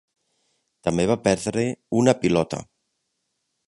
També va perdre una pilota.